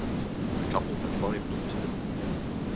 The couple had five daughters.